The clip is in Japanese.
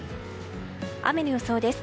雨の予想です。